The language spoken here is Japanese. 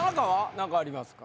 何かありますか？